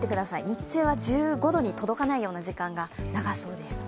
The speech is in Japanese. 日中は１５度に届かないような時間が長そうです。